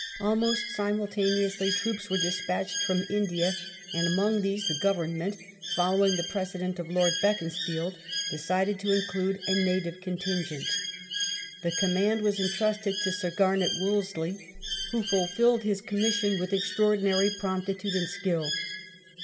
Almost simultaneously troops wei e despatched from India, i Op. cit. i. 289. I restora tion 1885] OCCUPATION OF EGYPT 501 and among these the Government, following the precedent of Lord Beaconsfield, decided to include a native contingent. The com mand was entrusted to Sir Garnet Wolseley, who fulfilled his commission with extraordinary promptitude and skill.